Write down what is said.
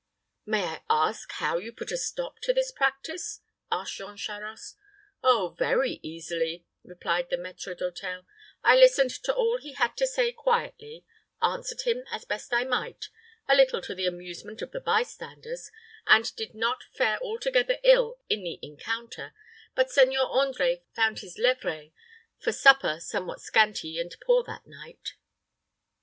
"May I ask how you put a stop to this practice?" asked Jean Charost. "Oh, very easily," replied the maître d'hôtel. "I listened to all he had to say quietly, answered him as best I might, a little to the amusement of the by standers, and did not fare altogether ill in the encounter; but Seigneur André found his levrée for supper somewhat scanty and poor that night.